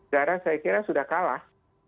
karena saya kira sudah kalah